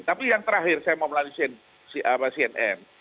tapi yang terakhir saya mau melalui cnn